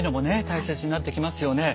大切になってきますよね。